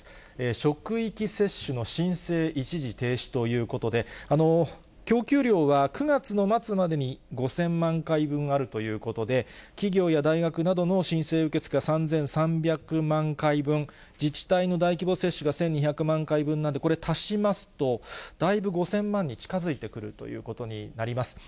職域接種の申請、一時停止ということで、供給量は９月の末までに５０００万回分あるということで、企業や大学などの申請受け付けは３３００万回分、自治体の大規模接種が１２００万回分なんで、これ、足しますと、だいぶ５０００万に近づいてくるということになります。